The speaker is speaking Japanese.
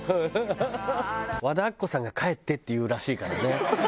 和田アキ子さんが「帰って」って言うらしいからね。